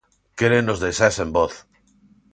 Quérennos deixar sen voz!